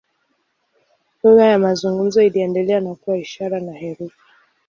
Lugha ya mazungumzo iliendelea na kuwa ishara na herufi.